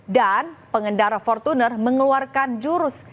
dan pengendara fortuner mengeluarkan jurus